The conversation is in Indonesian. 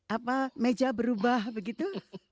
apa meja berubah begitu